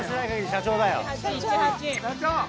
社長！